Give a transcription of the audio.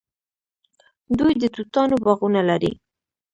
دوی د توتانو باغونه لري.